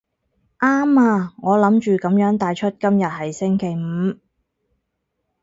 啱啊，我諗住噉樣帶出今日係星期五